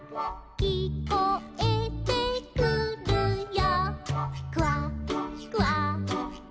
「きこえてくるよ」